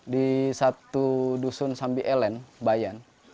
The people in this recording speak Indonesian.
di satu dusun sambi elen bayan